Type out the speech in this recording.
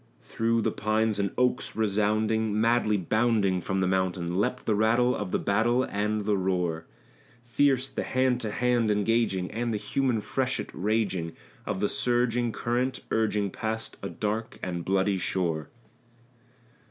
Through the pines and oaks resounding, madly bounding from the mountain, Leapt the rattle of the battle and the roar; Fierce the hand to hand engaging, and the human freshet raging Of the surging current urging past a dark and bloody shore.